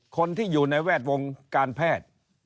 คนที่อยู่ในแวดวงการแพทย์